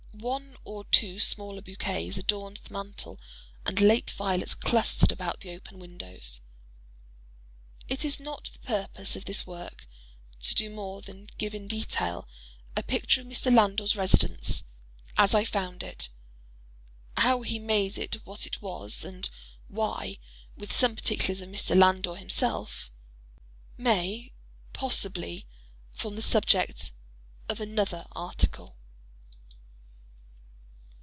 One or two smaller bouquets adorned the mantel, and late violets clustered about the open windows. It is not the purpose of this work to do more than give in detail, a picture of Mr. Landor's residence—as I found it. How he made it what it was—and why—with some particulars of Mr. Landor himself—may, possibly form the subject of another article.